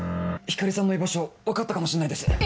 光莉さんの居場所分かったかもしれないです。